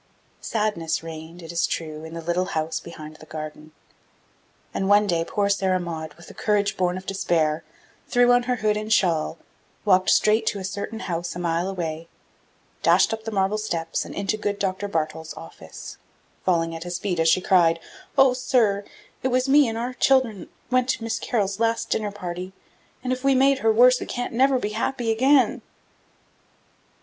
Sadness reigned, it is true, in the little house behind the garden; and one day poor Sarah Maud, with a courage born of despair, threw on her hood and shawl, walked straight to a certain house a mile away, dashed up the marble steps and into good Dr. Bartol's office, falling at his feet as she cried, "Oh, sir, it was me an' our childern that went to Miss Carol's last dinner party, an' if we made her worse we can't never be happy again!"